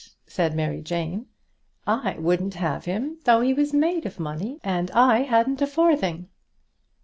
said Mary Jane; "I wouldn't have him though he was made of money, and I hadn't a farthing."